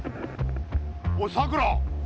おいさくら！